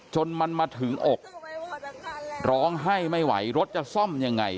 จนมันมาถึงอกร้องไห้ไม่ไหวรถจะซ่อมยังไง